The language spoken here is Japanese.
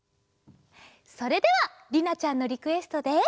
それではりなちゃんのリクエストで。